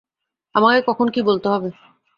আমাকে কখন কী বলতে হবে?